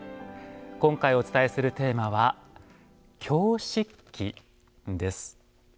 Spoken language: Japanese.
今回お伝えするテーマは「京漆器」です。